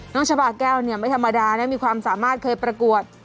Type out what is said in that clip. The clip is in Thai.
ชาบาแก้วเนี่ยไม่ธรรมดานะมีความสามารถเคยประกวด